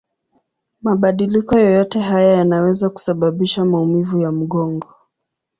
Mabadiliko yoyote haya yanaweza kusababisha maumivu ya mgongo.